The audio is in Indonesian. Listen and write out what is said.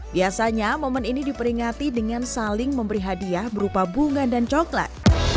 biasanya momen ini diperingati dengan saling memberi hadiah berupa bunga dan coklat